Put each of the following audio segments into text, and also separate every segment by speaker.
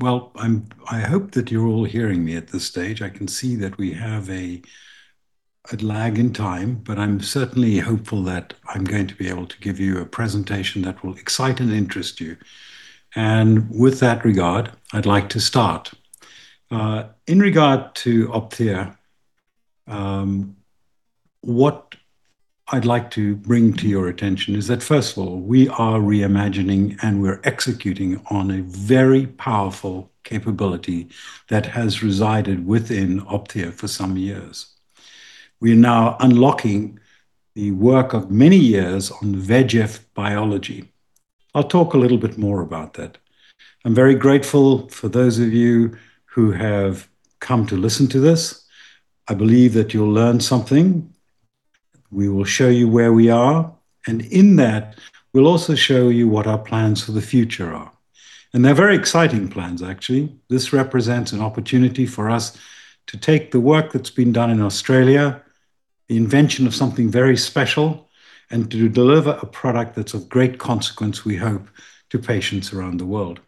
Speaker 1: Well, I hope that you're all hearing me at this stage. I can see that we have a lag in time, but I'm certainly hopeful that I'm going to be able to give you a presentation that will excite and interest you. With that regard, I'd like to start. In regard to Opthea, what I'd like to bring to your attention is that, first of all, we are reimagining and we're executing on a very powerful capability that has resided within Opthea for some years. We are now unlocking the work of many years on VEGF biology. I'll talk a little bit more about that. I'm very grateful for those of you who have come to listen to this. I believe that you'll learn something. We will show you where we are, and in that, we'll also show you what our plans for the future are. They're very exciting plans, actually. This represents an opportunity for us to take the work that's been done in Australia, the invention of something very special, and to deliver a product that's of great consequence, we hope, to patients around the world.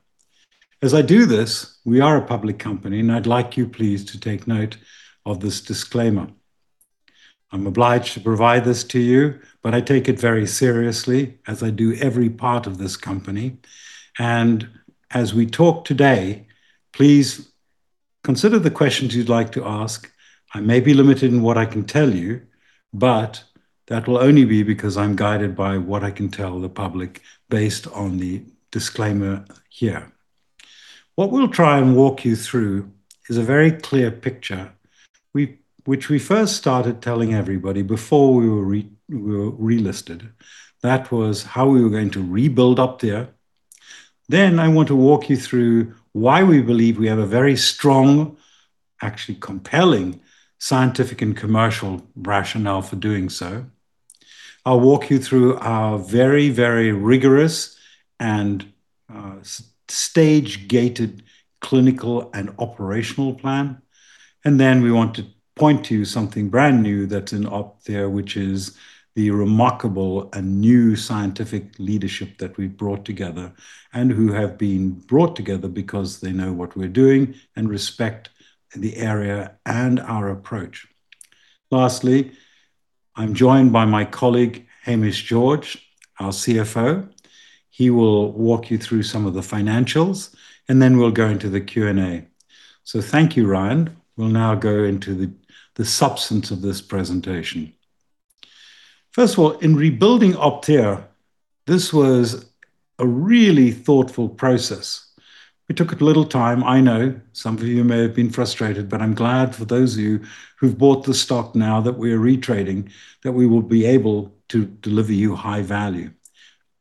Speaker 1: As I do this, we are a public company, and I'd like you please to take note of this disclaimer. I'm obliged to provide this to you, but I take it very seriously as I do every part of this company. As we talk today, please consider the questions you'd like to ask. I may be limited in what I can tell you, but that will only be because I'm guided by what I can tell the public based on the disclaimer here. What we'll try and walk you through is a very clear picture which we first started telling everybody before we were relisted. That was how we were going to rebuild Opthea. I want to walk you through why we believe we have a very strong, actually compelling, scientific and commercial rationale for doing so. I'll walk you through our very, very rigorous and stage-gated clinical and operational plan. We want to point to something brand new that's in Opthea, which is the remarkable and new scientific leadership that we've brought together. Who have been brought together because they know what we're doing and respect the area and our approach. Lastly, I'm joined by my colleague, Hamish George, our CFO. He will walk you through some of the financials. We'll go into the Q&A. Thank you, Ryan. We'll now go into the substance of this presentation. First of all, in rebuilding Opthea, this was a really thoughtful process. We took a little time. I know some of you may have been frustrated, I'm glad for those of you who've bought the stock now that we're re-trading, that we will be able to deliver you high value.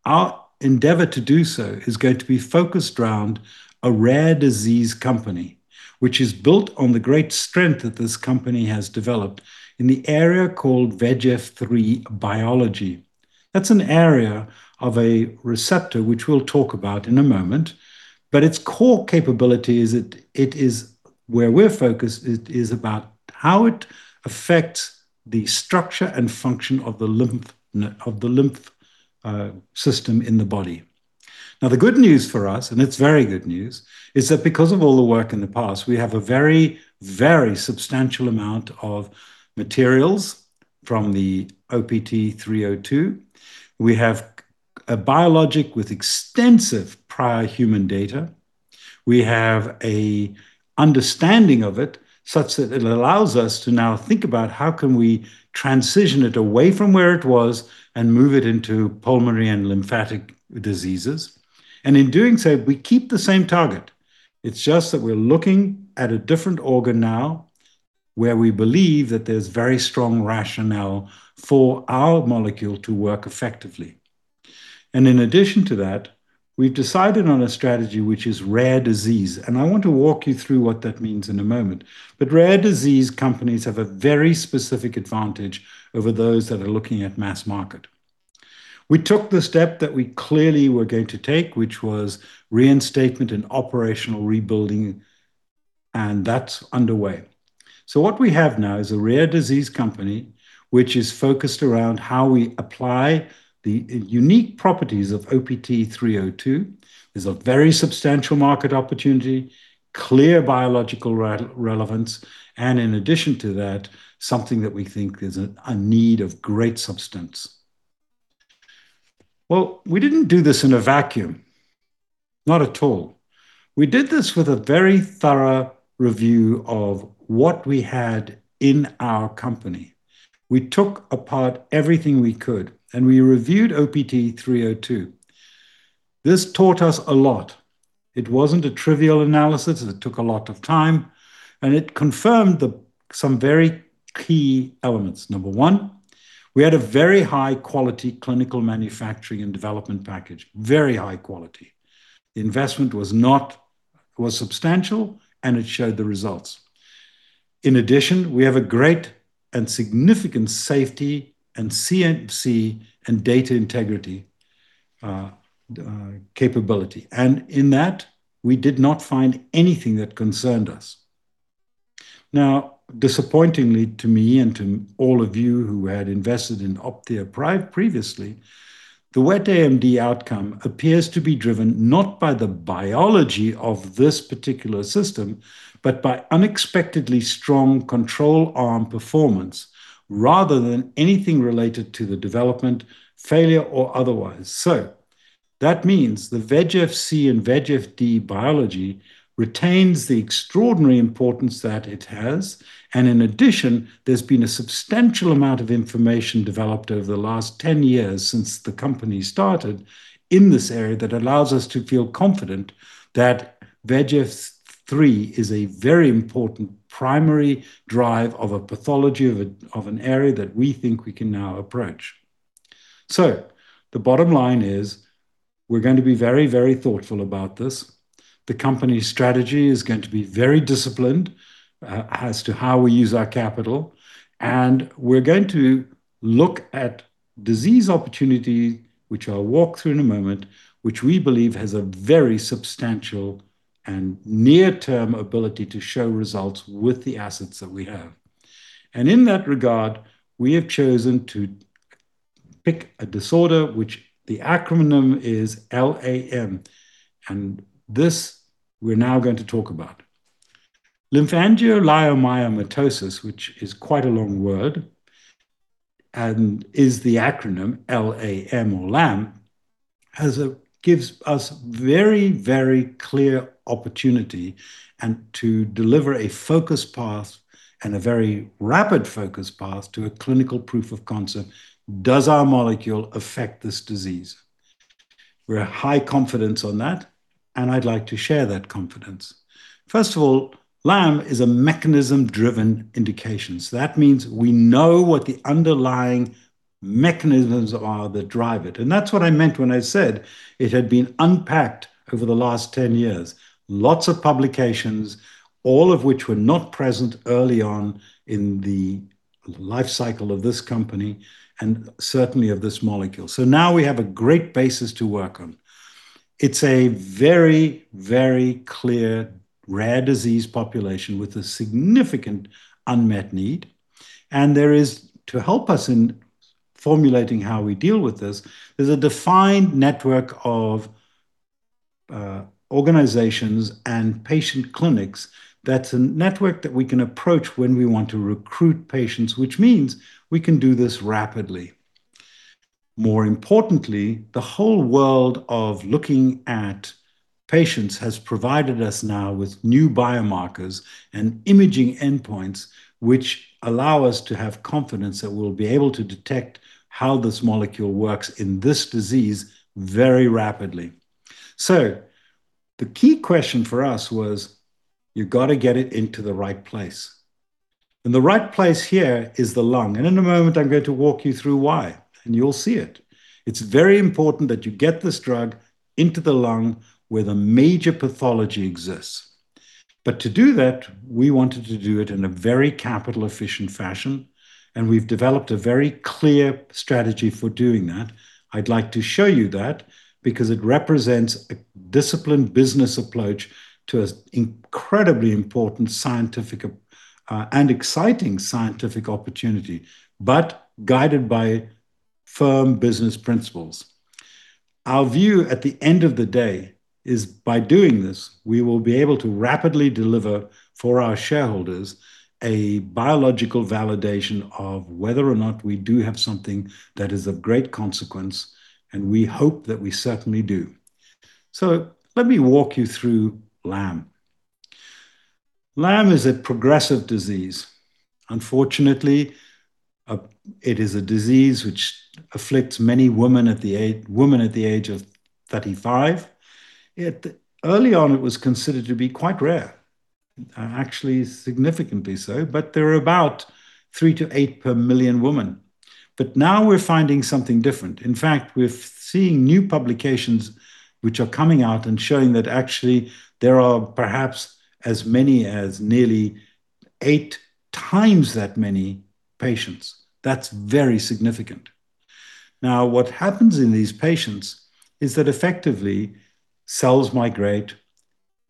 Speaker 1: Our endeavor to do so is going to be focused around a rare disease company, which is built on the great strength that this company has developed in the area called VEGFR-3 biology. That's an area of a receptor, which we'll talk about in a moment, but its core capability is it is where we're focused is about how it affects the structure and function of the lymph system in the body. Now, the good news for us, and it's very good news, is that because of all the work in the past, we have a very, very substantial amount of materials from the OPT-302. We have a biologic with extensive prior human data. We have a understanding of it such that it allows us to now think about how can we transition it away from where it was and move it into pulmonary and lymphatic diseases. In doing so, we keep the same target. It's just that we're looking at a different organ now where we believe that there's very strong rationale for our molecule to work effectively. In addition to that, we've decided on a strategy which is rare disease, and I want to walk you through what that means in a moment. Rare disease companies have a very specific advantage over those that are looking at mass market. We took the step that we clearly were going to take, which was reinstatement and operational rebuilding, and that's underway. What we have now is a rare disease company, which is focused around how we apply the unique properties of OPT-302. There's a very substantial market opportunity, clear biological relevance, and in addition to that, something that we think is a need of great substance. We didn't do this in a vacuum. Not at all. We did this with a very thorough review of what we had in our company. We took apart everything we could, and we reviewed OPT-302. This taught us a lot. It wasn't a trivial analysis. It took a lot of time, and it confirmed some very key elements. Number one, we had a very high-quality clinical manufacturing and development package. Very high quality. The investment was substantial, and it showed the results. In addition, we have a great and significant safety and CMC and data integrity capability. In that, we did not find anything that concerned us. Now, disappointingly to me and to all of you who had invested in Opthea previously, the wet AMD outcome appears to be driven not by the biology of this particular system, but by unexpectedly strong control arm performance rather than anything related to the development, failure, or otherwise. That means the VEGF-C and VEGF-D biology retains the extraordinary importance that it has. In addition, there's been a substantial amount of information developed over the last 10 years since the company started in this area that allows us to feel confident that VEGFR-3 is a very important primary drive of a pathology of an area that we think we can now approach. The bottom line is we're going to be very, very thoughtful about this. The company's strategy is going to be very disciplined as to how we use our capital. We're going to look at disease opportunity, which I'll walk through in a moment, which we believe has a very substantial and near-term ability to show results with the assets that we have. In that regard, we have chosen to pick a disorder, which the acronym is LAM. This we're now going to talk about. Lymphangioleiomyomatosis, which is quite a long word, and is the acronym L-A-M or LAM gives us very, very clear opportunity and to deliver a focused path and a very rapid focused path to a clinical proof of concept. Does our molecule affect this disease? We're high confidence on that, and I'd like to share that confidence. First of all, LAM is a mechanism-driven indication. That means we know what the underlying mechanisms are that drive it, and that's what I meant when I said it had been unpacked over the last 10 years. Lots of publications, all of which were not present early on in the life cycle of this company and certainly of this molecule. Now we have a great basis to work on. It's a very, very clear rare disease population with a significant unmet need, and there is to help us in formulating how we deal with this. There's a defined network of organizations and patient clinics that's a network that we can approach when we want to recruit patients, which means we can do this rapidly. More importantly, the whole world of looking at patients has provided us now with new biomarkers and imaging endpoints, which allow us to have confidence that we'll be able to detect how this molecule works in this disease very rapidly. The key question for us was, you got to get it into the right place. The right place here is the lung, and in a moment, I'm going to walk you through why and you'll see it. It's very important that you get this drug into the lung where the major pathology exists. To do that, we wanted to do it in a very capital-efficient fashion, and we've developed a very clear strategy for doing that. I'd like to show you that because it represents a disciplined business approach to an incredibly important scientific and exciting scientific opportunity, but guided by firm business principles. Our view at the end of the day is by doing this, we will be able to rapidly deliver for our shareholders a biological validation of whether or not we do have something that is of great consequence, and we hope that we certainly do. Let me walk you through LAM. LAM is a progressive disease. Unfortunately, it is a disease which afflicts many women at the age of 35. Early on, it was considered to be quite rare, actually significantly so. There are about three to eight per million women. Now we're finding something different. In fact, we're seeing new publications which are coming out and showing that actually there are perhaps as many as nearly eight times that many patients. That's very significant. What happens in these patients is that effectively, cells migrate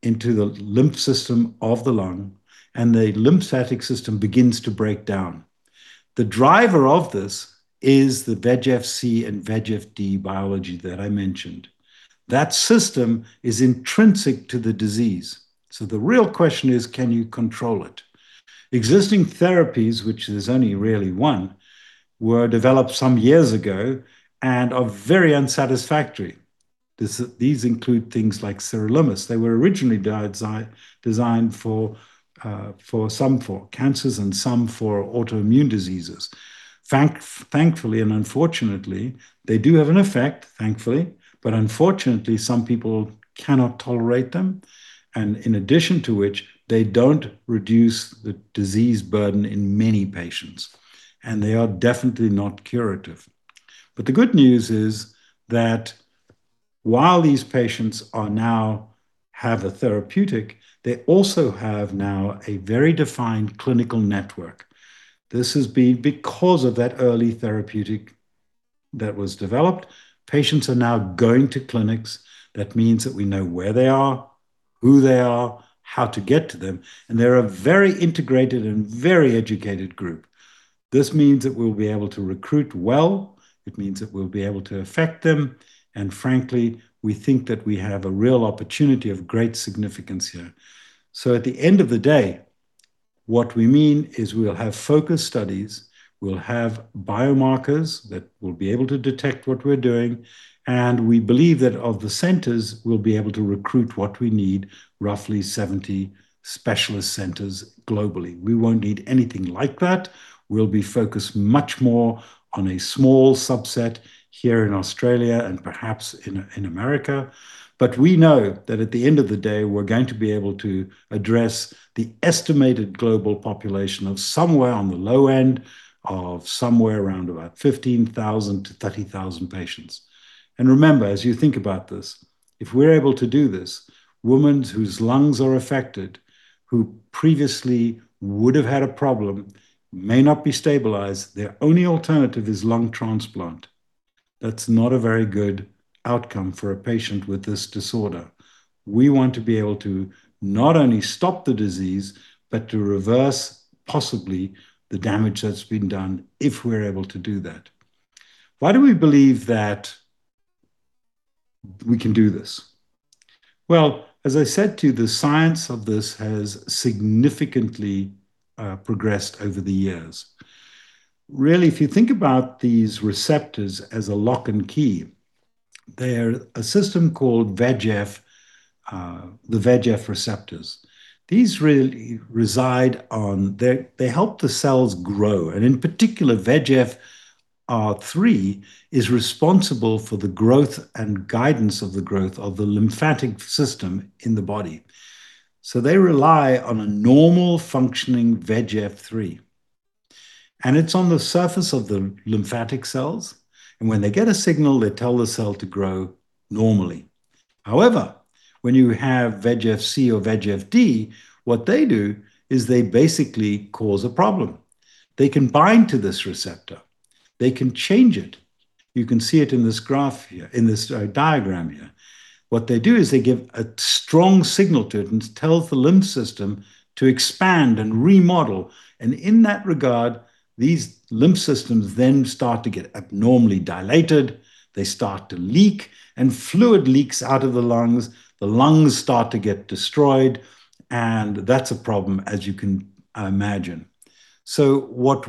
Speaker 1: into the lymph system of the lung, and the lymphatic system begins to break down. The driver of this is the VEGF-C and VEGF-D biology that I mentioned. That system is intrinsic to the disease. The real question is, can you control it? Existing therapies, which is only really one, were developed some years ago and are very unsatisfactory. These include things like sirolimus. They were originally designed for some for cancers and some for autoimmune diseases. Thankfully and unfortunately, they do have an effect, thankfully. Unfortunately, some people cannot tolerate them, and in addition to which, they don't reduce the disease burden in many patients, and they are definitely not curative. The good news is that while these patients now have a therapeutic, they also have now a very defined clinical network. This has been because of that early therapeutic that was developed. Patients are now going to clinics. That means that we know where they are, who they are, how to get to them, and they're a very integrated and very educated group. This means that we'll be able to recruit well, it means that we'll be able to affect them, and frankly, we think that we have a real opportunity of great significance here. At the end of the day, what we mean is we'll have focus studies, we'll have biomarkers that will be able to detect what we're doing, and we believe that of the centers, we'll be able to recruit what we need, roughly 70 specialist centers globally. We won't need anything like that. We'll be focused much more on a small subset here in Australia and perhaps in America. We know that at the end of the day, we're going to be able to address the estimated global population of somewhere on the low end of somewhere around about 15,000-30,000 patients. Remember, as you think about this, if we're able to do this, women whose lungs are affected, who previously would've had a problem, may not be stabilized, their only alternative is lung transplant. That's not a very good outcome for a patient with this disorder. We want to be able to not only stop the disease, but to reverse possibly the damage that's been done if we're able to do that. Why do we believe that we can do this? As I said to you, the science of this has significantly progressed over the years. If you think about these receptors as a lock and key, they're a system called VEGF, the VEGF receptors. They help the cells grow, and in particular, VEGFR-3 is responsible for the growth and guidance of the growth of the lymphatic system in the body. They rely on a normal functioning VEGFR-3, and it's on the surface of the lymphatic cells, and when they get a signal, they tell the cell to grow normally. However, when you have VEGF-C or VEGF-D, what they do is they basically cause a problem. They can bind to this receptor. They can change it. You can see it in this diagram here. What they do is they give a strong signal to it and tell the lymph system to expand and remodel, and in that regard, these lymph systems then start to get abnormally dilated. They start to leak, and fluid leaks out of the lungs. The lungs start to get destroyed, and that's a problem as you can imagine. What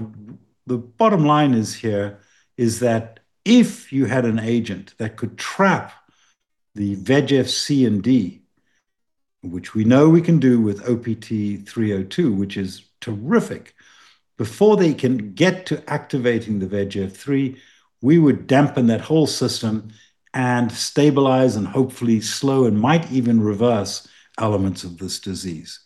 Speaker 1: the bottom line is here is that if you had an agent that could trap the VEGF-C and VEGF-D, which we know we can do with OPT-302, which is terrific. Before they can get to activating the VEGFR-3, we would dampen that whole system and stabilize and hopefully slow and might even reverse elements of this disease.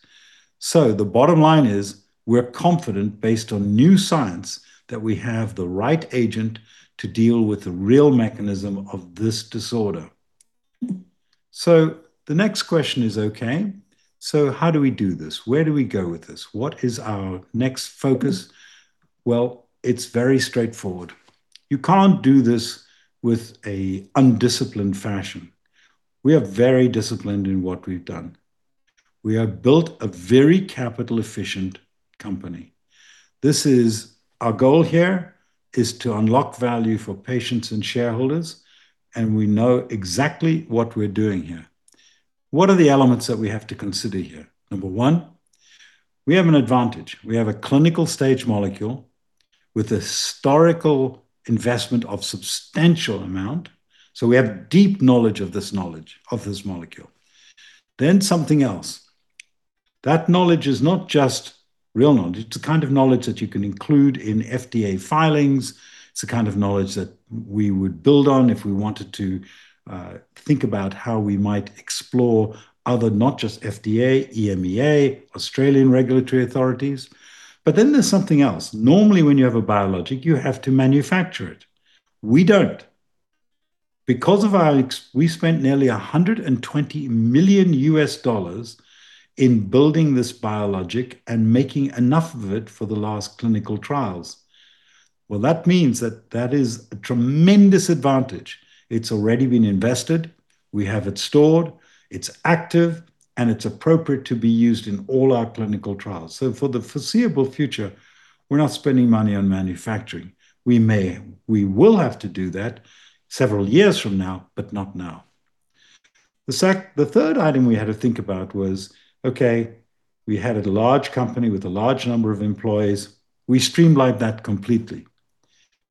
Speaker 1: The bottom line is we're confident based on new science that we have the right agent to deal with the real mechanism of this disorder. The next question is, okay, how do we do this? Where do we go with this? What is our next focus? It's very straightforward. You can't do this with an undisciplined fashion. We are very disciplined in what we've done. We have built a very capital-efficient company. Our goal here is to unlock value for patients and shareholders, and we know exactly what we're doing here. What are the elements that we have to consider here? Number one, we have an advantage. We have a clinical-stage molecule with a historical investment of substantial amount, so we have deep knowledge of this molecule. Something else. That knowledge is not just real knowledge. It's the kind of knowledge that you can include in FDA filings. It's the kind of knowledge that we would build on if we wanted to think about how we might explore other, not just FDA, EMEA, Australian regulatory authorities. There's something else. Normally, when you have a biologic, you have to manufacture it. We don't. We spent nearly $120 million in building this biologic and making enough of it for the last clinical trials. That means that that is a tremendous advantage. It's already been invested, we have it stored, it's active, and it's appropriate to be used in all our clinical trials. For the foreseeable future, we're not spending money on manufacturing. We will have to do that several years from now, but not now. The third item we had to think about was, okay, we had a large company with a large number of employees. We streamlined that completely,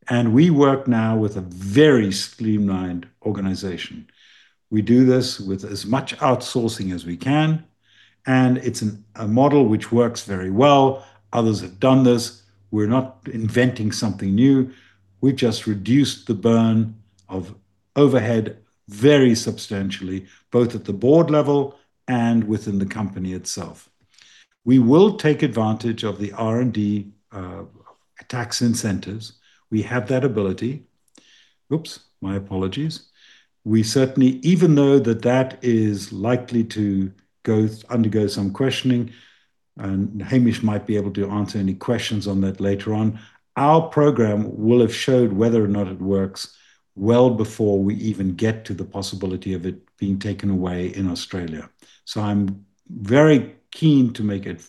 Speaker 1: and we work now with a very streamlined organization. We do this with as much outsourcing as we can, and it's a model which works very well. Others have done this. We're not inventing something new. We've just reduced the burn of overhead very substantially, both at the board level and within the company itself. We will take advantage of the R&D tax incentives. We have that ability. Oops, my apologies. Even though that that is likely to undergo some questioning. Hamish might be able to answer any questions on that later on. Our program will have showed whether or not it works well before we even get to the possibility of it being taken away in Australia. I'm very keen to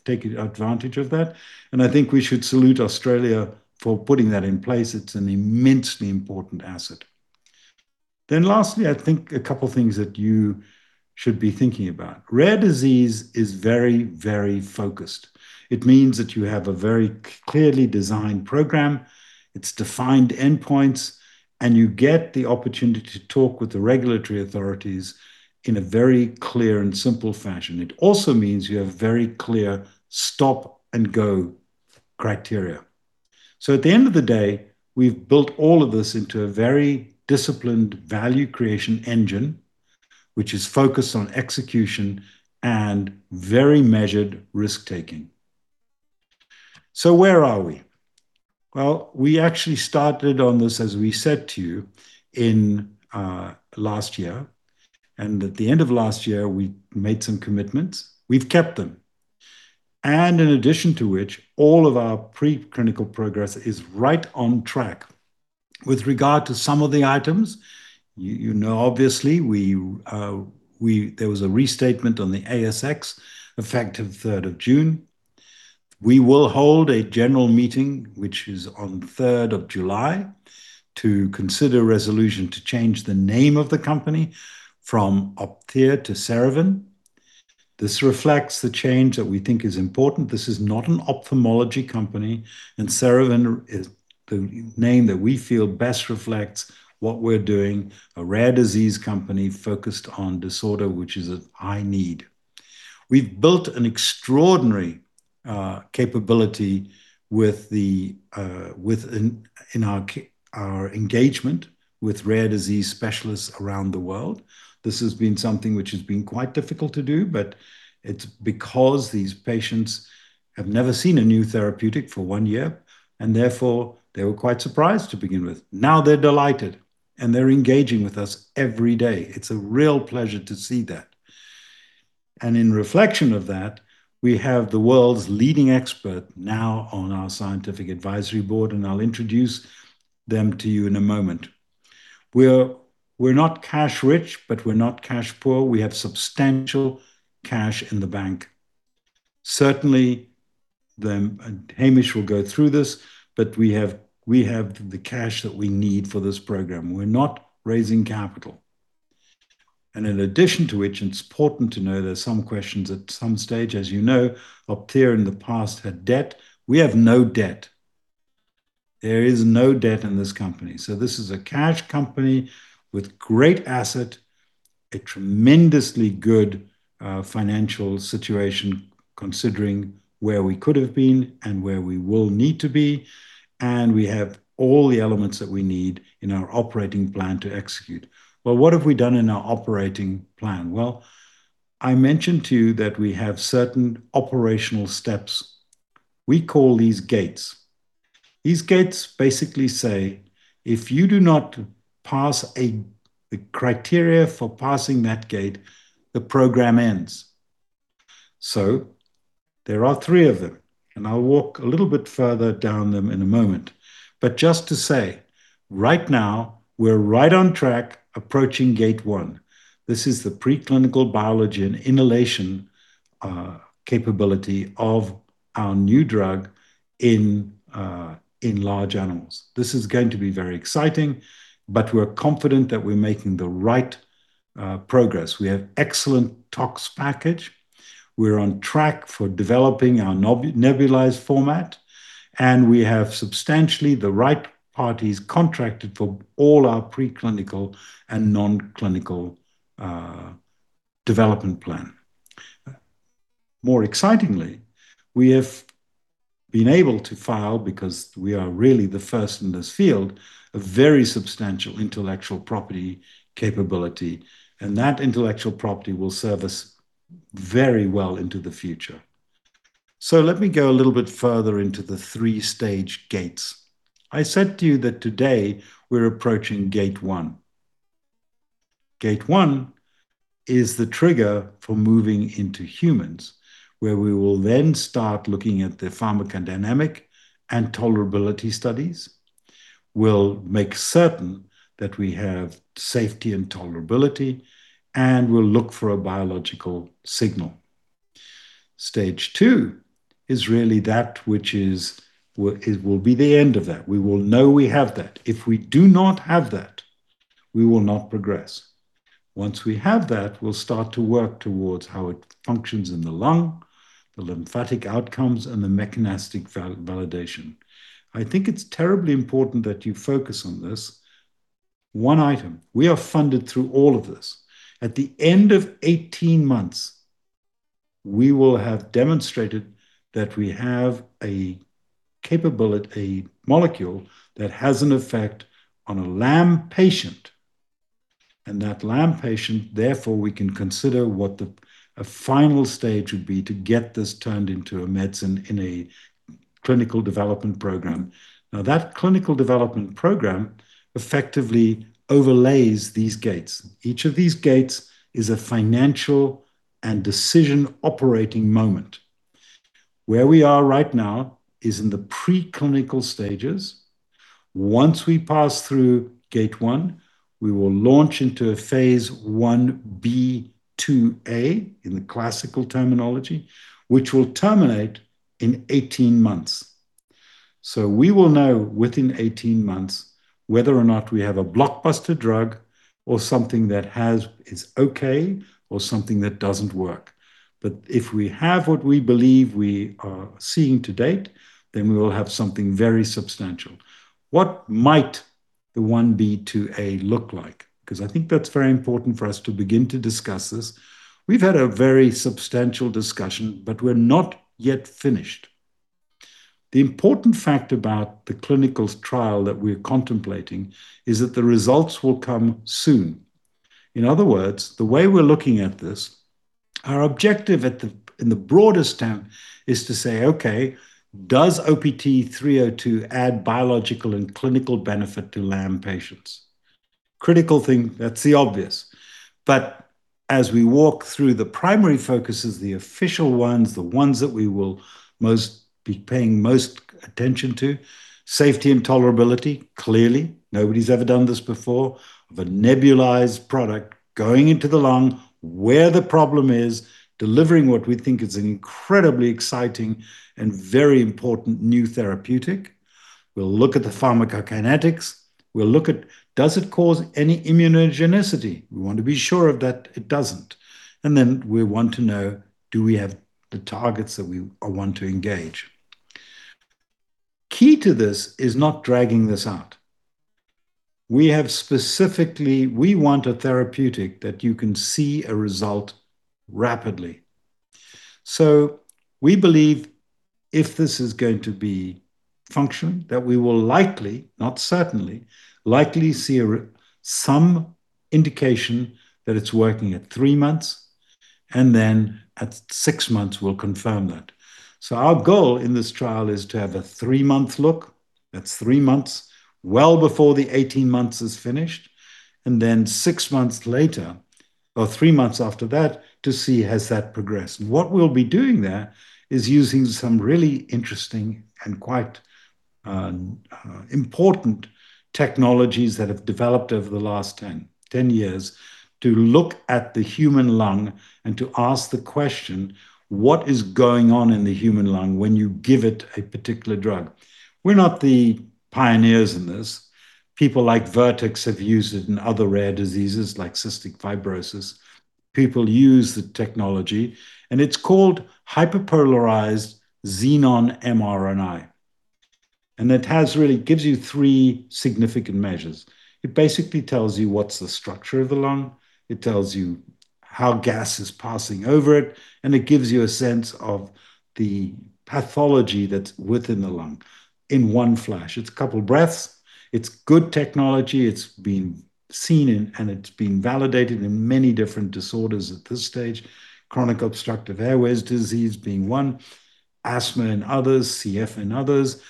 Speaker 1: take advantage of that, and I think we should salute Australia for putting that in place. It's an immensely important asset. Lastly, I think a couple things that you should be thinking about. Rare disease is very focused. It means that you have a very clearly designed program, its defined endpoints, and you get the opportunity to talk with the regulatory authorities in a very clear and simple fashion. It also means you have very clear stop-and-go criteria. At the end of the day, we've built all of this into a very disciplined value creation engine, which is focused on execution and very measured risk-taking. Where are we? We actually started on this, as we said to you, in last year, and at the end of last year, we made some commitments. We've kept them, and in addition to which, all of our preclinical progress is right on track. With regard to some of the items, you know obviously, there was a restatement on the ASX, effective 3rd of June. We will hold a general meeting, which is on the 3rd of July, to consider a resolution to change the name of the company from Opthea to Ceryvyn. This reflects the change that we think is important. This is not an ophthalmology company, and Ceryvyn is the name that we feel best reflects what we're doing, a rare disease company focused on disorder, which is an eye need. We've built an extraordinary capability in our engagement with rare disease specialists around the world. This has been something which has been quite difficult to do, but it's because these patients have never seen a new therapeutic for one year, and therefore, they were quite surprised to begin with. Now they're delighted, and they're engaging with us every day. It's a real pleasure to see that. In reflection of that, we have the world's leading expert now on our scientific advisory board, and I'll introduce them to you in a moment. We're not cash-rich, but we're not cash poor. We have substantial cash in the bank. Certainly, Hamish will go through this, but we have the cash that we need for this program. We're not raising capital. In addition to which, it's important to know there's some questions at some stage. As you know, Opthea in the past had debt. We have no debt. There is no debt in this company. This is a cash company with great asset, a tremendously good financial situation, considering where we could have been and where we will need to be, and we have all the elements that we need in our operating plan to execute. What have we done in our operating plan? I mentioned to you that we have certain operational steps. We call these gates. These gates basically say, if you do not pass the criteria for passing that gate, the program ends. There are three of them, and I'll walk a little bit further down them in a moment. Just to say, right now, we're right on track approaching Gate 1. This is the preclinical biology and inhalation capability of our new drug in large animals. This is going to be very exciting, but we're confident that we're making the right progress. We have excellent tox package. We're on track for developing our nebulized format, and we have substantially the right parties contracted for all our preclinical and nonclinical development plan. More excitingly, we have been able to file, because we are really the first in this field, a very substantial intellectual property capability, and that intellectual property will serve us very well into the future. Let me go a little bit further into the three-stage gates. I said to you that today we're approaching Gate 1. Gate 1 is the trigger for moving into humans, where we will then start looking at the pharmacodynamic and tolerability studies. We'll make certain that we have safety and tolerability, and we'll look for a biological signal. Stage 2 is really that will be the end of that. We will know we have that. If we do not have that, we will not progress. Once we have that, we'll start to work towards how it functions in the lung, the lymphatic outcomes, and the mechanistic validation. I think it's terribly important that you focus on this one item. We are funded through all of this. At the end of 18 months, we will have demonstrated that we have a molecule that has an effect on a LAM patient, and that LAM patient, therefore, we can consider what a final stage would be to get this turned into a medicine in a clinical development program. That clinical development program effectively overlays these gates. Each of these gates is a financial and decision operating moment. Where we are right now is in the preclinical stages. Once we pass through gate one, we will launch into a phase I-B/II-A, in the classical terminology, which will terminate in 18 months. We will know within 18 months whether or not we have a blockbuster drug or something that is okay, or something that doesn't work. If we have what we believe we are seeing to date, then we will have something very substantial. What might the I-B/II-A look like? I think that's very important for us to begin to discuss this. We've had a very substantial discussion, we're not yet finished. The important fact about the clinical trial that we're contemplating is that the results will come soon. In other words, the way we're looking at this, our objective in the broadest term is to say, "Okay, does OPT-302 add biological and clinical benefit to LAM patients?" Critical thing, that's the obvious. As we walk through the primary focuses, the official ones, the ones that we will be paying most attention to, safety and tolerability. Clearly, nobody's ever done this before. The nebulized product going into the lung where the problem is, delivering what we think is an incredibly exciting and very important new therapeutic. We'll look at the pharmacokinetics. We'll look at does it cause any immunogenicity. We want to be sure of that it doesn't. We want to know, do we have the targets that we want to engage? Key to this is not dragging this out. We want a therapeutic that you can see a result rapidly. We believe if this is going to be functioning, that we will likely, not certainly, likely see some indication that it's working at three months, and then at six months we'll confirm that. Our goal in this trial is to have a three-month look. That's three months, well before the 18 months is finished, and then six months later or three months after that to see has that progressed. What we'll be doing there is using some really interesting and quite important technologies that have developed over the last 10 years to look at the human lung and to ask the question, what is going on in the human lung when you give it a particular drug? We're not the pioneers in this. People like Vertex have used it in other rare diseases like cystic fibrosis. People use the technology, it's called hyperpolarized xenon MRI. It really gives you three significant measures. It basically tells you what's the structure of the lung, it tells you how gas is passing over it, and it gives you a sense of the pathology that's within the lung in one flash. It's a couple breaths. It's good technology. It's been seen and it's been validated in many different disorders at this stage, chronic obstructive airways disease being one, asthma in others, CF in others,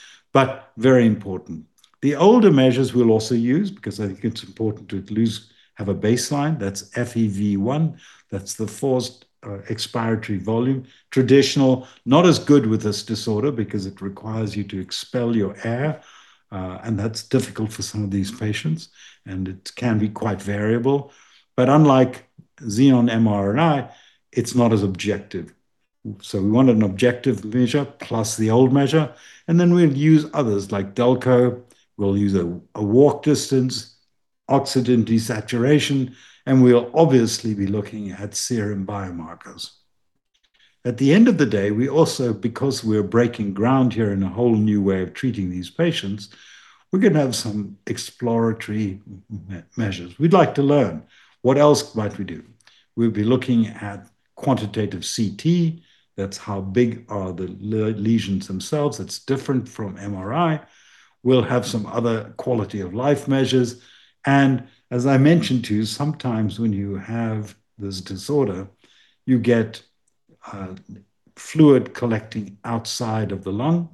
Speaker 1: very important. The older measures we'll also use, because I think it's important to at least have a baseline, that's FEV1, that's the forced expiratory volume. Traditional, not as good with this disorder because it requires you to expel your air, and that's difficult for some of these patients, and it can be quite variable. Unlike xenon MRI, it's not as objective. We want an objective measure plus the old measure, and then we'll use others like DLCO. We'll use a walk distance, oxygen desaturation, and we'll obviously be looking at serum biomarkers. At the end of the day, we also, because we're breaking ground here in a whole new way of treating these patients, we're going to have some exploratory measures. We'd like to learn. What else might we do? We'll be looking at quantitative CT. That's how big are the lesions themselves. That's different from MRI. We'll have some other quality of life measures. As I mentioned to you, sometimes when you have this disorder, you get fluid collecting outside of the lung,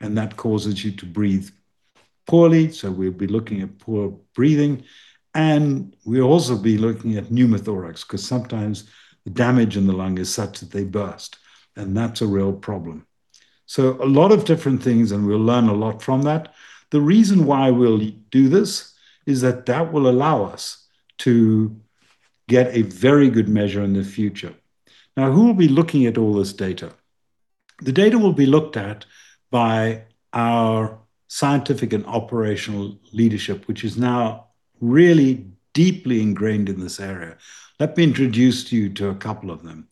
Speaker 1: and that causes you to breathe poorly. We'll be looking at poor breathing, and we'll also be looking at pneumothorax, because sometimes the damage in the lung is such that they burst, and that's a real problem. A lot of different things, and we'll learn a lot from that. The reason why we'll do this is that that will allow us to get a very good measure in the future. Now, who will be looking at all this data? The data will be looked at by our scientific and operational leadership, which is now really deeply ingrained in this area. Let me introduce you to a couple of them.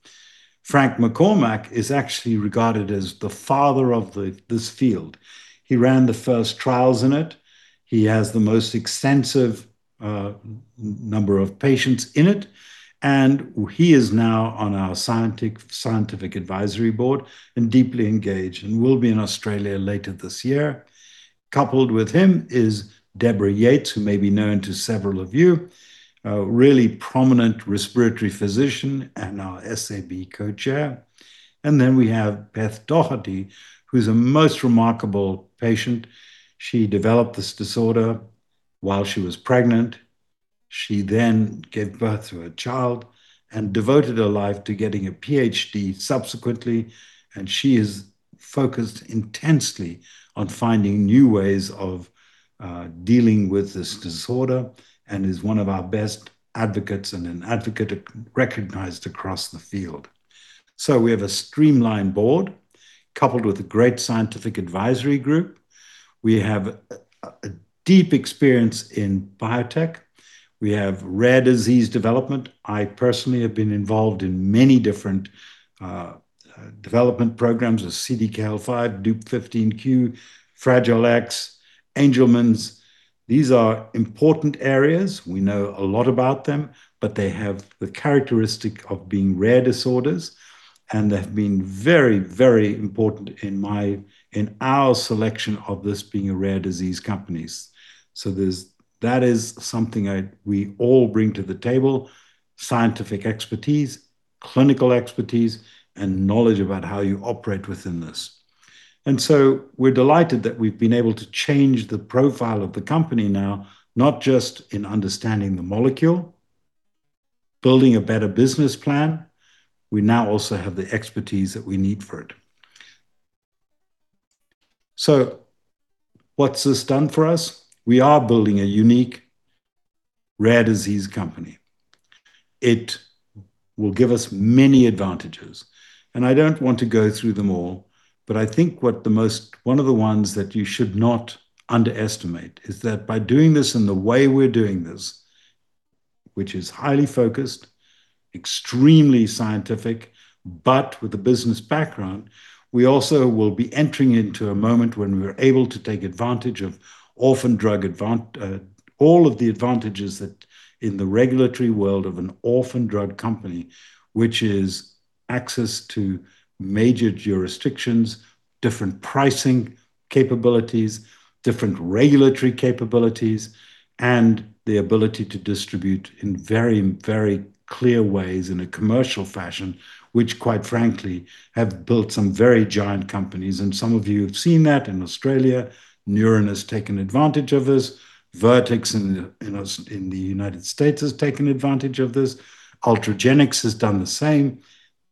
Speaker 1: Frank McCormack is actually regarded as the father of this field. He ran the first trials in it. He has the most extensive number of patients in it, and he is now on our scientific advisory board and deeply engaged and will be in Australia later this year. Coupled with him is Deborah Yates, who may be known to several of you. A really prominent respiratory physician and our SAB Co-Chair. Then we have Beth Doherty, who's a most remarkable patient. She developed this disorder while she was pregnant. She then gave birth to a child and devoted her life to getting a PhD subsequently, and she is focused intensely on finding new ways of dealing with this disorder, and is one of our best advocates, and an advocate recognized across the field. We have a streamlined board coupled with a great scientific advisory group. We have a deep experience in biotech. We have rare disease development. I personally have been involved in many different development programs with CDKL5, Dup15q, Fragile X, Angelman's. These are important areas. We know a lot about them. They have the characteristic of being rare disorders, and they've been very, very important in our selection of this being a rare disease companies. That is something we all bring to the table, scientific expertise, clinical expertise, and knowledge about how you operate within this. We're delighted that we've been able to change the profile of the company now, not just in understanding the molecule, building a better business plan, we now also have the expertise that we need for it. What's this done for us? We are building a unique rare disease company. It will give us many advantages, and I don't want to go through them all, but I think one of the ones that you should not underestimate is that by doing this in the way we're doing this, which is highly focused, extremely scientific, but with a business background. We also will be entering into a moment when we're able to take all of the advantages that in the regulatory world of an orphan drug company, which is access to major jurisdictions, different pricing capabilities, different regulatory capabilities, and the ability to distribute in very clear ways in a commercial fashion, which quite frankly have built some very giant companies. Some of you have seen that in Australia. Neuren has taken advantage of this. Vertex in the U.S. has taken advantage of this. Ultragenyx has done the same.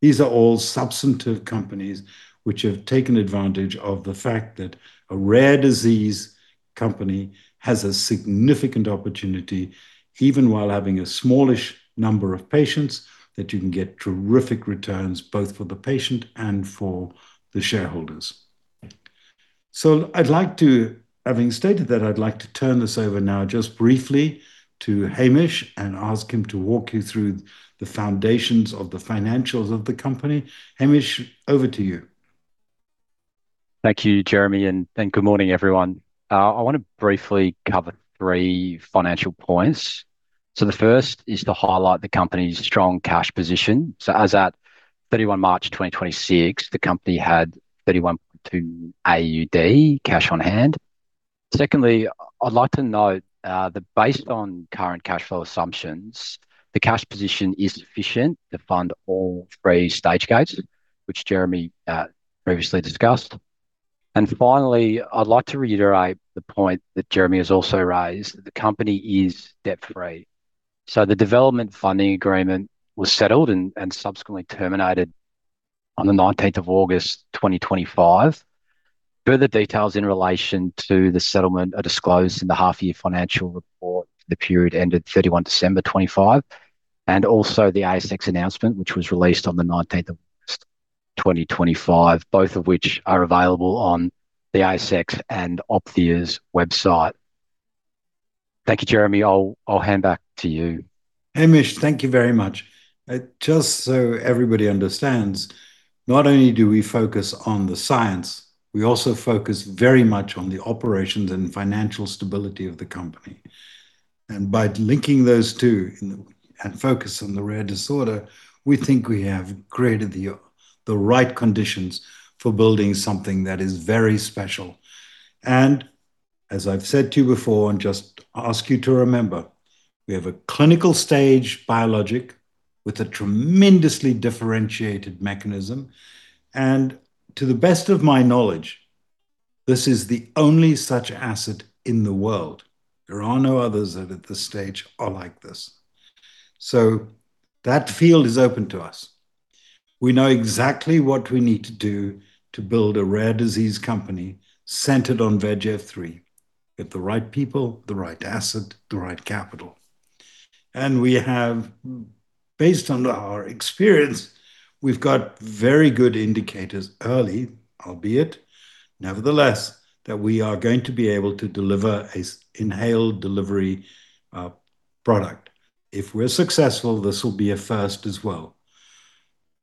Speaker 1: These are all substantive companies which have taken advantage of the fact that a rare disease company has a significant opportunity, even while having a smallish number of patients, that you can get terrific returns both for the patient and for the shareholders. Having stated that, I'd like to turn this over now just briefly to Hamish and ask him to walk you through the foundations of the financials of the company. Hamish, over to you.
Speaker 2: Thank you, Jeremy. Good morning, everyone. I want to briefly cover three financial points. The first is to highlight the company's strong cash position. As at 31 March 2026, the company had 31.2 AUD cash on hand. Secondly, I'd like to note that based on current cash flow assumptions, the cash position is sufficient to fund all three stage gates, which Jeremy previously discussed. Finally, I'd like to reiterate the point that Jeremy has also raised, the company is debt-free. The development funding agreement was settled and subsequently terminated on the 19th of August 2025. Further details in relation to the settlement are disclosed in the half-year financial report for the period ended 31 December 2025, also the ASX announcement, which was released on the 19th of August 2025, both of which are available on the ASX and Opthea's website. Thank you, Jeremy. I'll hand back to you.
Speaker 1: Hamish, thank you very much. Just so everybody understands, not only do we focus on the science, we also focus very much on the operations and financial stability of the company. By linking those two and focus on the rare disorder, we think we have created the right conditions for building something that is very special. As I've said to you before, just ask you to remember, we have a clinical stage biologic with a tremendously differentiated mechanism. To the best of my knowledge, this is the only such asset in the world. There are no others that at this stage are like this. That field is open to us. We know exactly what we need to do to build a rare disease company centered on VEGFR-3. We have the right people, the right asset, the right capital. Based on our experience, we've got very good indicators early, albeit, nevertheless, that we are going to be able to deliver an inhaled delivery product. If we're successful, this will be a first as well.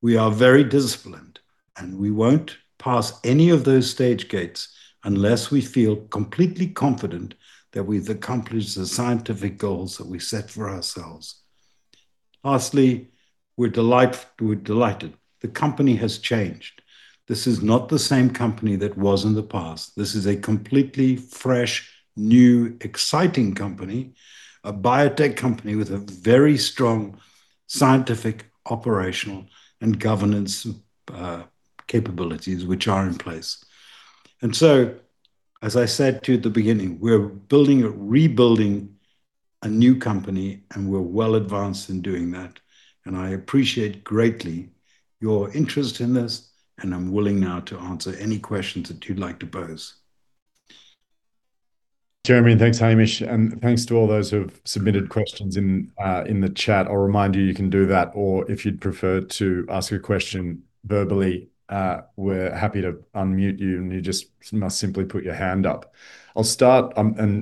Speaker 1: We are very disciplined, and we won't pass any of those stage gates unless we feel completely confident that we've accomplished the scientific goals that we set for ourselves. Lastly, we're delighted. The company has changed. This is not the same company that was in the past. This is a completely fresh, new, exciting company, a biotech company with very strong scientific, operational, and governance capabilities which are in place. So, as I said to you at the beginning, we're rebuilding a new company, and we're well advanced in doing that. I appreciate greatly your interest in this, and I'm willing now to answer any questions that you'd like to pose.
Speaker 3: Jeremy, thanks, Hamish, and thanks to all those who have submitted questions in the chat. I'll remind you can do that. If you'd prefer to ask a question verbally, we're happy to unmute you just must simply put your hand up. I'll start,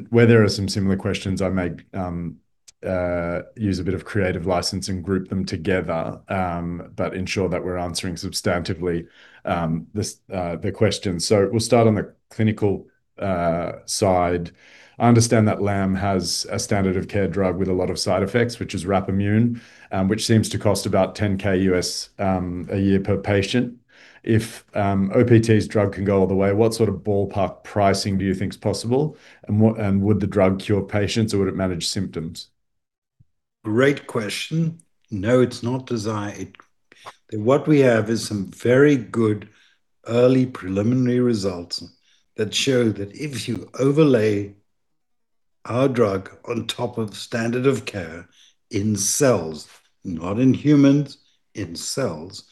Speaker 3: where there are some similar questions, I may use a bit of creative license and group them together, but ensure that we're answering substantively the questions. So we'll start on the clinical side. I understand that LAM has a standard of care drug with a lot of side effects, which is Rapamune, which seems to cost about $10,000 a year per patient. If OPT's drug can go all the way, what sort of ballpark pricing do you think is possible? Would the drug cure patients, or would it manage symptoms?
Speaker 1: Great question. No, it's not designed. What we have is some very good early preliminary results that show that if you overlay our drug on top of standard of care in cells, not in humans, in cells,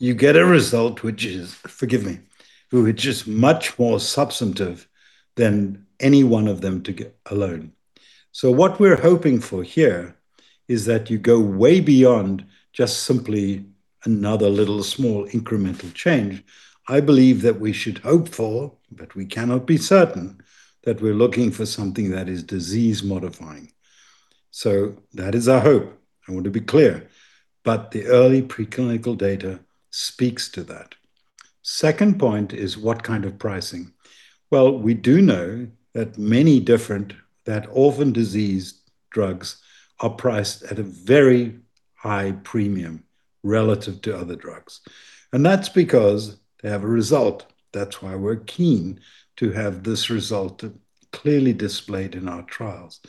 Speaker 1: you get a result which is, forgive me, which is much more substantive than any one of them alone. What we're hoping for here is that you go way beyond just simply another little small incremental change. I believe that we should hope for, but we cannot be certain, that we're looking for something that is disease modifying. That is our hope. I want to be clear. The early preclinical data speaks to that. Second point is what kind of pricing? We do know that many different orphan disease drugs are priced at a very high premium relative to other drugs, and that's because they have a result. That's why we're keen to have this result clearly displayed in our trials.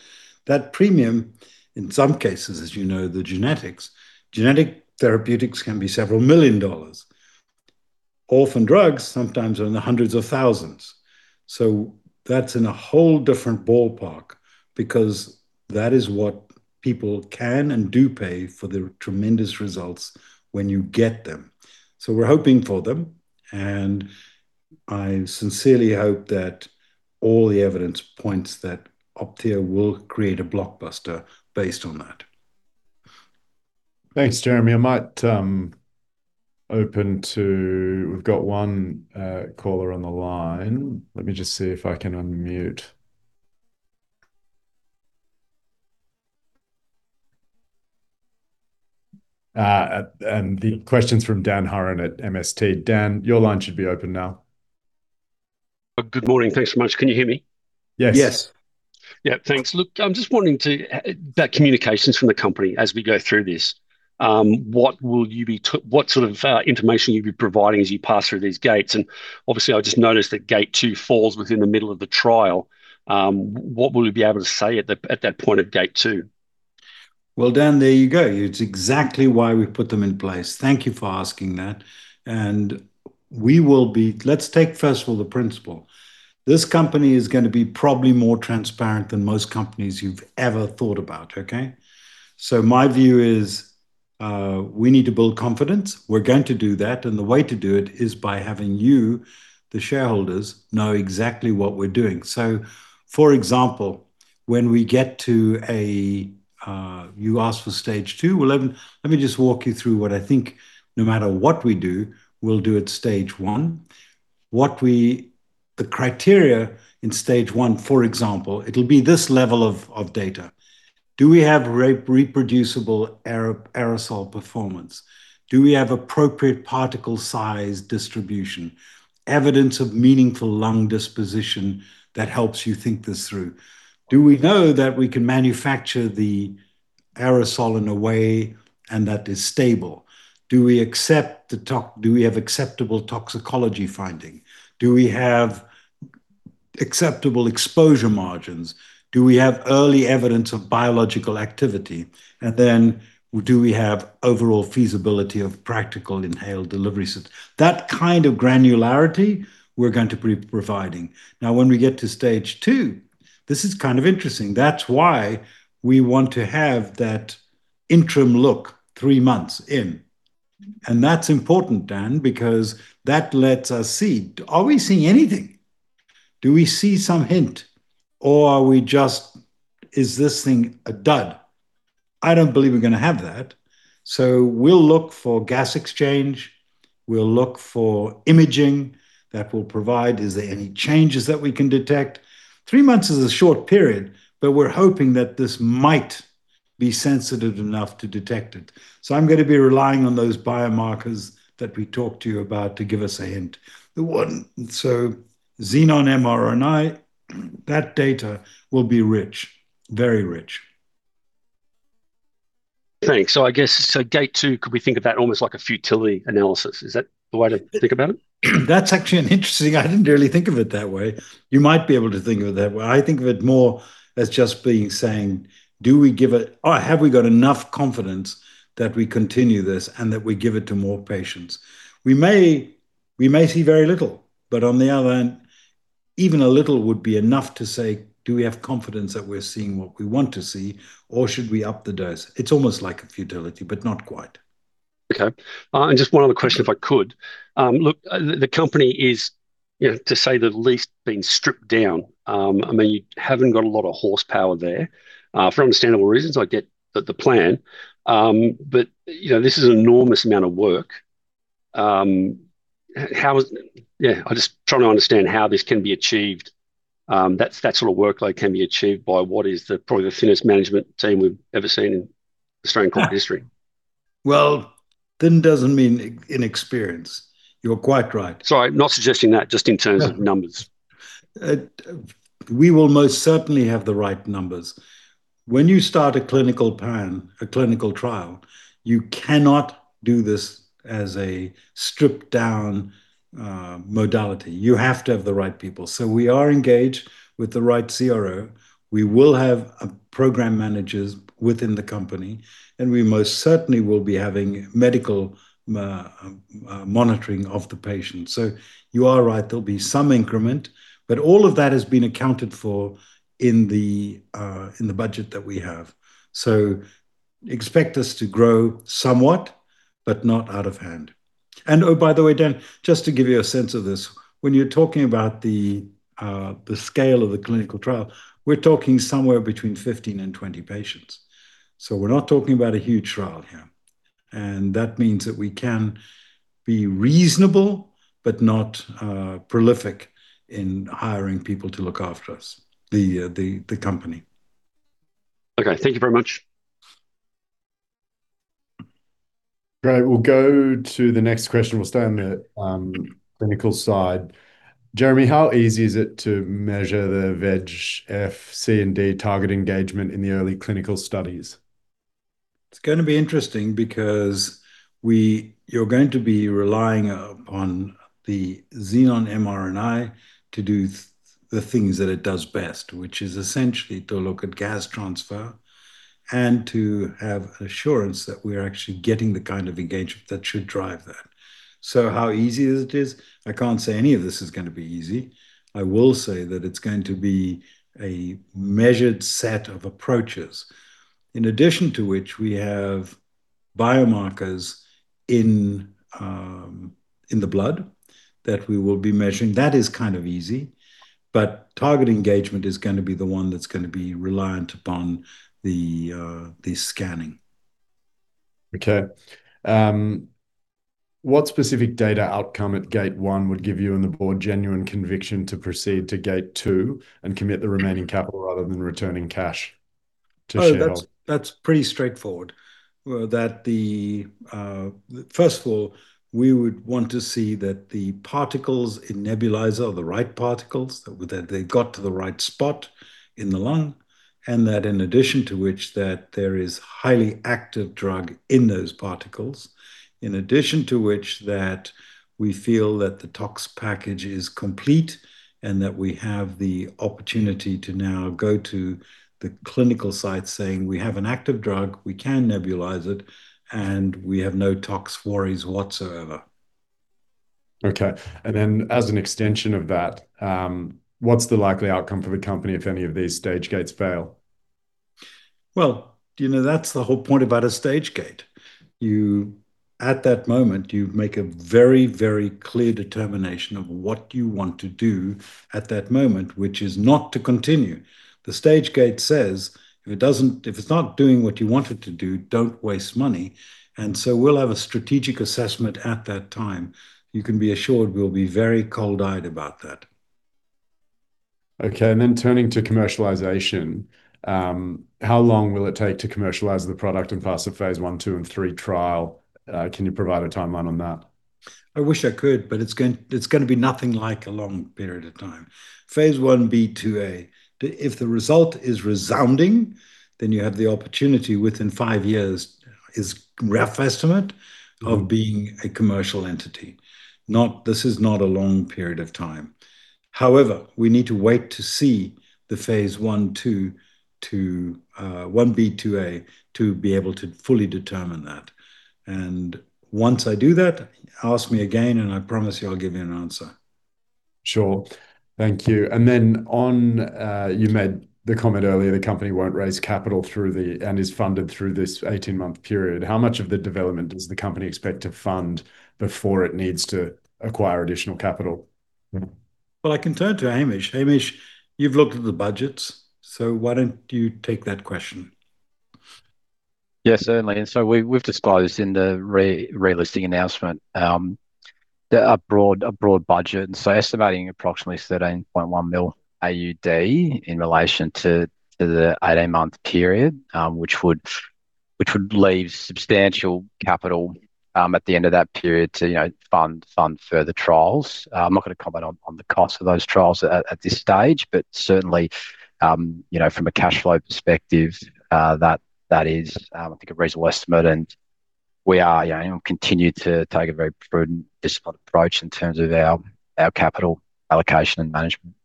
Speaker 1: That premium, in some cases, as you know, the genetics. Genetic therapeutics can be several million dollars. Orphan drugs sometimes are in the hundreds of thousands. That's in a whole different ballpark because that is what people can and do pay for the tremendous results when you get them. We're hoping for them, and I sincerely hope that all the evidence points that Opthea will create a blockbuster based on that.
Speaker 3: Thanks, Jeremy. I might open to, we've got one caller on the line. Let me just see if I can unmute. The question's from Dan Hurren at MST. Dan, your line should be open now.
Speaker 4: Good morning. Thanks so much. Can you hear me?
Speaker 3: Yes.
Speaker 1: Yes.
Speaker 4: Yeah, thanks. Look, I'm just wondering about communications from the company as we go through this. What sort of information you'll be providing as you pass through these gates, and obviously I just noticed that Gate 2 falls within the middle of the trial. What will we be able to say at that point at Gate 2?
Speaker 1: Well, Dan, there you go. It's exactly why we put them in place. Thank you for asking that. Let's take first of all the principle. This company is going to be probably more transparent than most companies you've ever thought about, okay? My view is we need to build confidence. We're going to do that, and the way to do it is by having you, the shareholders, know exactly what we're doing. For example, when we get to a, you asked for Stage 2. Let me just walk you through what I think no matter what we do, we'll do at Stage 1. The criteria in Stage 1, for example, it'll be this level of data. Do we have reproducible aerosol performance? Do we have appropriate particle size distribution, evidence of meaningful lung disposition that helps you think this through? Do we know that we can manufacture the aerosol in a way and that is stable? Do we have acceptable toxicology finding? Do we have acceptable exposure margins? Do we have early evidence of biological activity? Do we have overall feasibility of practical inhaled delivery system? That kind of granularity we're going to be providing. When we get to Stage 2, this is kind of interesting. That's why we want to have that interim look three months in. That's important, Dan, because that lets us see, are we seeing anything? Do we see some hint, or is this thing a dud? I don't believe we're going to have that. We'll look for gas exchange. We'll look for imaging that will provide is there any changes that we can detect. Three months is a short period, but we're hoping that this might be sensitive enough to detect it. I'm going to be relying on those biomarkers that we talked to you about to give us a hint. Xenon MRI, that data will be rich, very rich.
Speaker 4: Thanks. I guess, so Gate 2, could we think of that almost like a futility analysis? Is that the way to think about it?
Speaker 1: I didn't really think of it that way. You might be able to think of it that way. I think of it more as just being saying, have we got enough confidence that we continue this and that we give it to more patients? We may see very little, but on the other hand, even a little would be enough to say, do we have confidence that we're seeing what we want to see, or should we up the dose? It's almost like a futility, but not quite.
Speaker 4: Okay. Just one other question if I could. Look, the company is, to say the least, been stripped down. You haven't got a lot of horsepower there. For understandable reasons, I get the plan. This is an enormous amount of work. I'm just trying to understand how this can be achieved. That sort of workload can be achieved by what is probably the thinnest management team we've ever seen in Australian corporate history.
Speaker 1: Well, thin doesn't mean inexperienced. You're quite right.
Speaker 4: Sorry, not suggesting that, just in terms of numbers.
Speaker 1: We will most certainly have the right numbers. When you start a clinical plan, a clinical trial, you cannot do this as a stripped-down modality. You have to have the right people. We are engaged with the right CRO. We will have program managers within the company, and we most certainly will be having medical monitoring of the patients. You are right, there'll be some increment, but all of that has been accounted for in the budget that we have. Expect us to grow somewhat, but not out of hand. Oh, by the way, Dan, just to give you a sense of this, when you're talking about the scale of the clinical trial, we're talking somewhere between 15 and 20 patients. We're not talking about a huge trial here. That means that we can be reasonable, but not prolific in hiring people to look after the company.
Speaker 4: Okay. Thank you very much.
Speaker 3: Great. We'll go to the next question. We'll stay on the clinical side. Jeremy, how easy is it to measure the VEGF-C and D target engagement in the early clinical studies?
Speaker 1: It's going to be interesting because you're going to be relying upon the xenon MRI to do the things that it does best, which is essentially to look at gas transfer and to have assurance that we are actually getting the kind of engagement that should drive that. How easy is it? I can't say any of this is going to be easy. I will say that it's going to be a measured set of approaches. In addition to which we have biomarkers in the blood that we will be measuring. That is kind of easy, target engagement is going to be the one that's going to be reliant upon the scanning.
Speaker 3: Okay. What specific data outcome at Gate 1 would give you and the board genuine conviction to proceed to Gate 2 and commit the remaining capital rather than returning cash to shareholders?
Speaker 1: Oh, that's pretty straightforward. First of all, we would want to see that the particles in nebulizer are the right particles, that they got to the right spot in the lung, and that in addition to which that there is highly active drug in those particles. In addition to which that we feel that the tox package is complete and that we have the opportunity to now go to the clinical site saying, "We have an active drug, we can nebulize it, and we have no tox worries whatsoever."
Speaker 3: Okay. As an extension of that, what's the likely outcome for the company if any of these stage gates fail?
Speaker 1: Well, that's the whole point about a stage gate. At that moment, you make a very, very clear determination of what you want to do at that moment, which is not to continue. The stage gate says if it's not doing what you want it to do, don't waste money. We'll have a strategic assessment at that time. You can be assured we'll be very cold-eyed about that.
Speaker 3: Okay. Turning to commercialization, how long will it take to commercialize the product and pass a phase I, II, and III trial? Can you provide a timeline on that?
Speaker 1: I wish I could, it's going to be nothing like a long period of time. Phase I-B/II-A. If the result is resounding, then you have the opportunity within five years, is rough estimate, of being a commercial entity. This is not a long period of time. However, we need to wait to see the phase I-B/II-A to be able to fully determine that. Once I do that, ask me again and I promise you I'll give you an answer.
Speaker 3: Sure. Thank you. Then you made the comment earlier the company won't raise capital and is funded through this 18-month period. How much of the development does the company expect to fund before it needs to acquire additional capital?
Speaker 1: Well, I can turn to Hamish. Hamish, you've looked at the budgets, so why don't you take that question?
Speaker 2: Yeah, certainly. We've disclosed in the re-listing announcement a broad budget. Estimating approximately 13.1 million AUD in relation to the 18-month period, Which would leave substantial capital at the end of that period to fund further trials. I'm not going to comment on the cost of those trials at this stage. Certainly, from a cash flow perspective, that is I think a reasonable estimate, and we are continuing to take a very prudent, disciplined approach in terms of our capital allocation and management.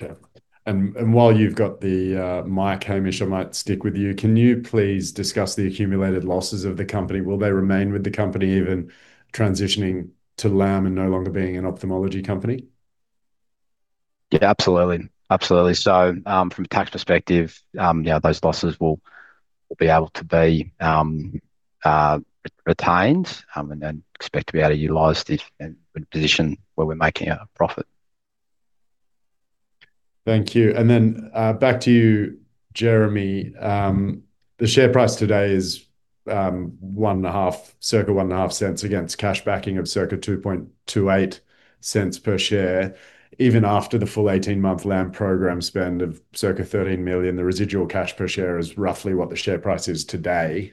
Speaker 3: Okay. While you've got the mic, Hamish, I might stick with you. Can you please discuss the accumulated losses of the company? Will they remain with the company even transitioning to LAM and no longer being an ophthalmology company?
Speaker 2: Absolutely. From a tax perspective, those losses will be able to be retained, and expect to be able to utilize the position where we're making a profit.
Speaker 3: Thank you. Back to you, Jeremy. The share price today is circa 0.015 against cash backing of circa 0.0228 per share. Even after the full 18-month LAM program spend of circa 13 million, the residual cash per share is roughly what the share price is today.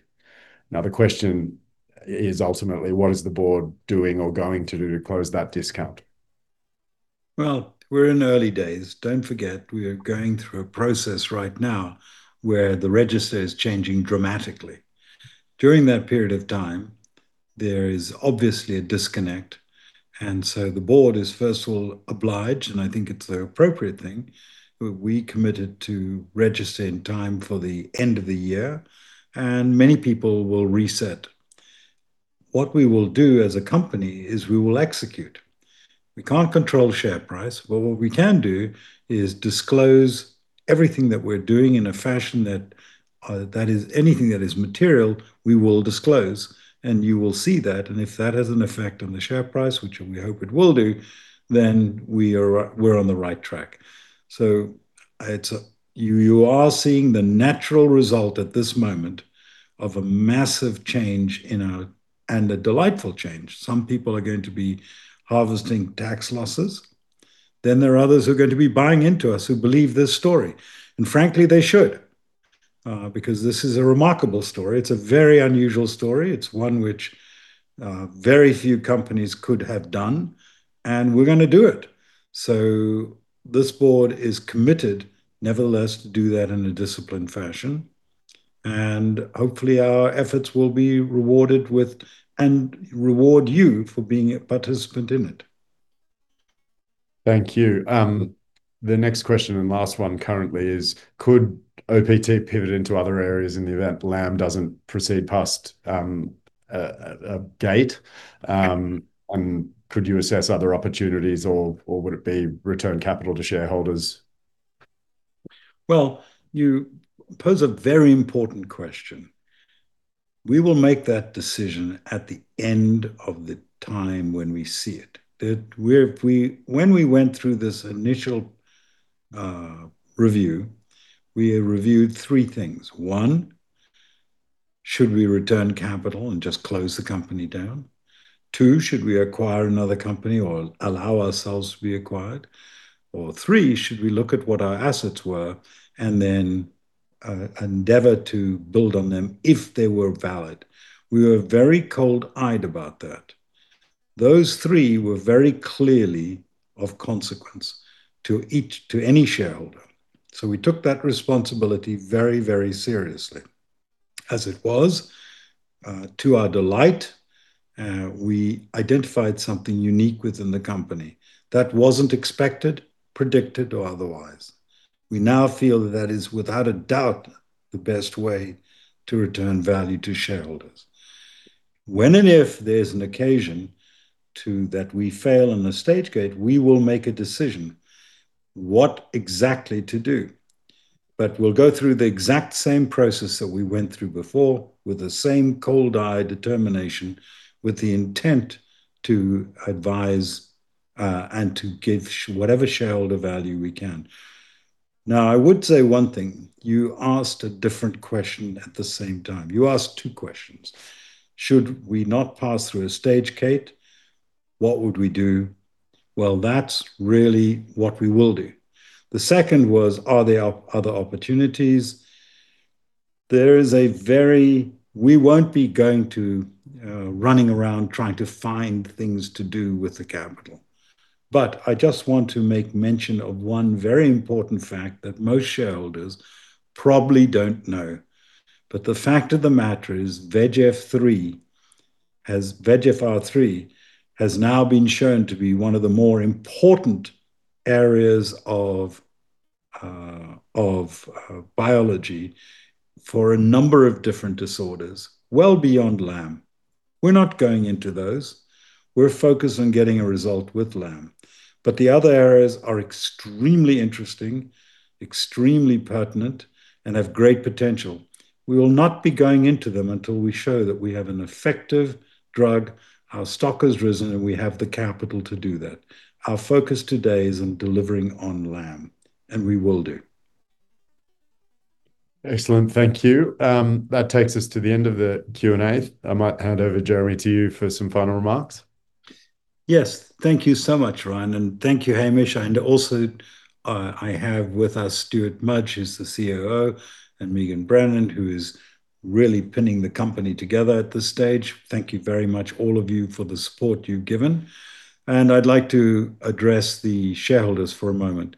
Speaker 3: The question is ultimately, what is the board doing or going to do to close that discount?
Speaker 1: We're in early days. Don't forget, we are going through a process right now where the register is changing dramatically. During that period of time, there is obviously a disconnect. The board is first of all obliged, and I think it's the appropriate thing, we committed to register in time for the end of the year, and many people will reset. What we will do as a company is we will execute. We can't control share price, but what we can do is disclose everything that we're doing in a fashion that anything that is material we will disclose, and you will see that. If that has an effect on the share price, which we hope it will do, then we're on the right track. You are seeing the natural result at this moment of a massive change and a delightful change. Some people are going to be harvesting tax losses. There are others who are going to be buying into us who believe this story, and frankly they should, because this is a remarkable story. It's a very unusual story. It's one which very few companies could have done, and we're going to do it. This board is committed nevertheless to do that in a disciplined fashion, and hopefully our efforts will be rewarded and reward you for being a participant in it.
Speaker 3: Thank you. The next question and last one currently is could OPT pivot into other areas in the event LAM doesn't proceed past a gate? Could you assess other opportunities or would it be return capital to shareholders?
Speaker 1: Well, you pose a very important question. We will make that decision at the end of the time when we see it. When we went through this initial review, we reviewed three things. One, should we return capital and just close the company down? Two, should we acquire another company or allow ourselves to be acquired? Three, should we look at what our assets were and then endeavor to build on them if they were valid? We were very cold-eyed about that. Those three were very clearly of consequence to any shareholder. We took that responsibility very seriously. As it was, to our delight, we identified something unique within the company that wasn't expected, predicted or otherwise. We now feel that is without a doubt the best way to return value to shareholders. When and if there's an occasion that we fail in the stage gate, we will make a decision what exactly to do. We'll go through the exact same process that we went through before with the same cold-eyed determination, with the intent to advise, and to give whatever shareholder value we can. Now, I would say one thing. You asked a different question at the same time. You asked two questions. Should we not pass through a stage gate, what would we do? Well, that's really what we will do. The second was, are there other opportunities? We won't be going to running around trying to find things to do with the capital. I just want to make mention of one very important fact that most shareholders probably don't know. The fact of the matter is, VEGFR-3 has now been shown to be one of the more important areas of biology for a number of different disorders well beyond LAM. We're not going into those. We're focused on getting a result with LAM. The other areas are extremely interesting, extremely pertinent, and have great potential. We will not be going into them until we show that we have an effective drug, our stock has risen, and we have the capital to do that. Our focus today is on delivering on LAM, and we will do.
Speaker 3: Excellent. Thank you. That takes us to the end of the Q&A. I might hand over, Jeremy, to you for some final remarks.
Speaker 1: Yes. Thank you so much, Ryan, thank you, Hamish. Also I have with us Stuart Mudge, who's the COO, and Megan Baldwin, who is really pinning the company together at this stage. Thank you very much, all of you, for the support you've given. I'd like to address the shareholders for a moment.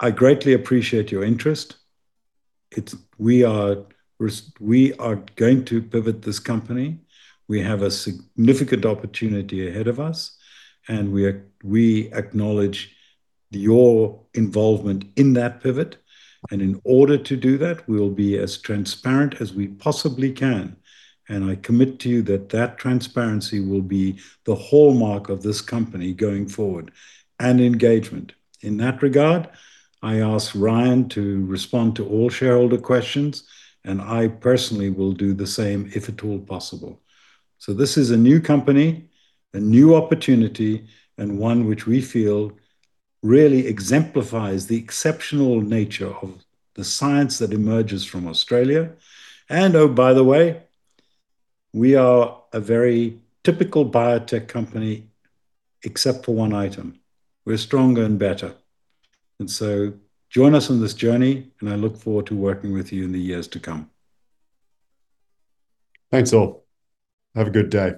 Speaker 1: I greatly appreciate your interest. We are going to pivot this company. We have a significant opportunity ahead of us, and we acknowledge your involvement in that pivot. In order to do that, we'll be as transparent as we possibly can. I commit to you that transparency will be the hallmark of this company going forward, and engagement. In that regard, I asked Ryan to respond to all shareholder questions, and I personally will do the same if at all possible. This is a new company, a new opportunity, and one which we feel really exemplifies the exceptional nature of the science that emerges from Australia. Oh, by the way, we are a very typical biotech company except for one item. We're stronger and better. Join us on this journey, and I look forward to working with you in the years to come. Thanks all. Have a good day.